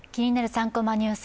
３コマニュース」